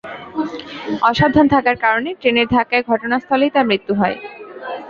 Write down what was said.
অসাবধান থাকার কারণে ট্রেনের ধাক্কায় ঘটনাস্থলেই তাঁর মৃত্যু হয়।